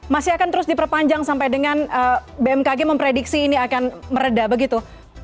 masih akan terus diperpanjang sampai dengan bmkg memprediksi ini akan meredah begitu